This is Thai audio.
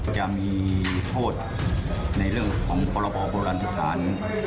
จะมีโทษในเรื่องของกระบอบร้อนรัฐสถาน